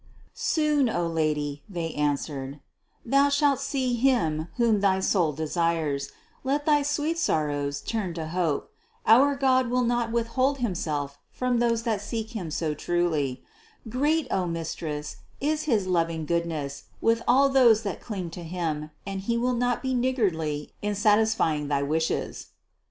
"Soon, O Lady," they answered, "Thou shalt see Him whom thy soul desires, let thy sweet sorrows turn to hope; our God will not withhold Himself from those that seek Him so truly; great, O Mistress, is his loving Goodness with all those that cling to Him and He will not be niggardly in satisfying thy wishes."